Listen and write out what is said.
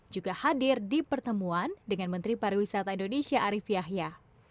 juga hadir di pertemuan dengan menteri pariwisata indonesia arief yahya